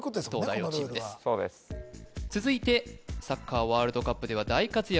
このルールは続いてサッカーワールドカップでは大活躍